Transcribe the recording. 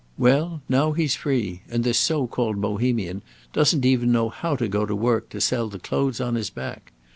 Well, now he's free; and this so called Bohemian doesn't even know how to go to work to sell the clothes on his back.